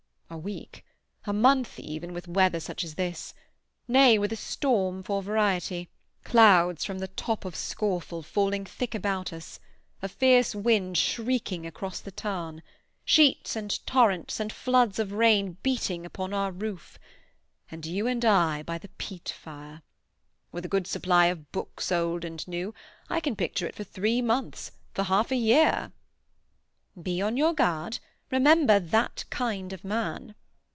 "A week—a month, even—with weather such as this. Nay, with a storm for variety; clouds from the top of Scawfell falling thick about us; a fierce wind shrieking across the tarn; sheets and torrents and floods of rain beating upon our roof; and you and I by the peat fire. With a good supply of books, old and new, I can picture it for three months, for half a year!" "Be on your guard. Remember "that kind of man"."